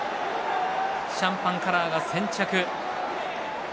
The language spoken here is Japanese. シャンパンカラーが先着。